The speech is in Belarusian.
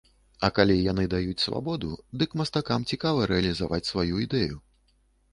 А калі яны даюць свабоду, дык мастакам цікава рэалізаваць сваю ідэю.